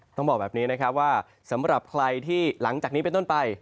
ต้องบอกแบบนี้นะครับว่าสำหรับใครที่หลังจากนี้เป็นต้นไป